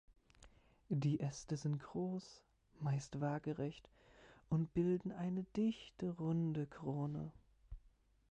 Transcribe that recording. Die Äste sind groß, meist waagrecht und bilden eine dichte, runde Krone.